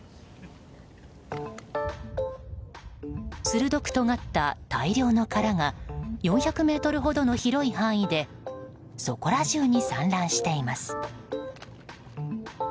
鋭くとがった大量の殻が４００ｍほどの広い範囲でそこらじゅうに散乱しています。